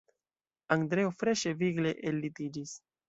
Andreo freŝe, vigle ellitiĝis.